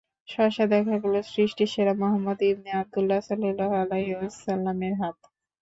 সহসা দেখা গেল তা সৃষ্টির সেরা মুহাম্মাদ ইবনে আব্দুল্লাহ সাল্লাল্লাহু আলাইহি ওয়াসাল্লামের হাত।